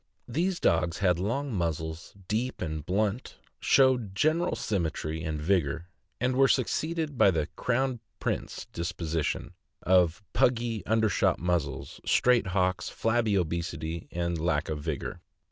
These dogs had long muzzles, deep and blunt, THE MASTIFF. 575 showed general symmetry and vigor, and were succeeded by the " Crown Prince dispensation" of puggy, undershot muzzles, straight hocks, flabby obesity, and lack of vigor.